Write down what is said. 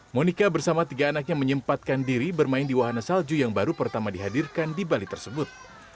monica bersama tiga anaknya menyempatkan diri bermain di wahana salju yang baru pertama dihadirkan di bali tersebut